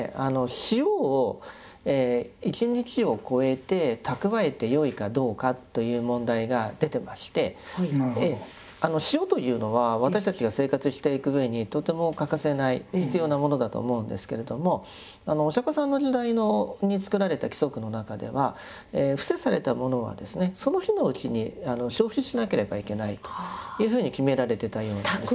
塩を一日を超えて蓄えてよいかどうかという問題が出てまして塩というのは私たちが生活していくうえにとても欠かせない必要なものだと思うんですけれどもお釈迦様の時代に作られた規則の中では布施されたものはですねその日のうちに消費しなければいけないというふうに決められてたようなんです。